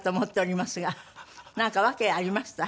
なんか訳ありました？